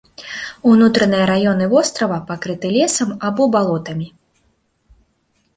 Унутраныя раёны вострава пакрыты лесам або балотамі.